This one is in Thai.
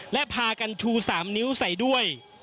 และพากันชู๓นิ้วใส่ด้วย